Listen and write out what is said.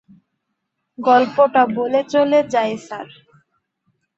গল্পটা বলে চলে যাই স্যার।